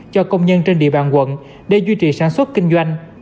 cho công nhân trên địa bàn quận để duy trì sản xuất kinh doanh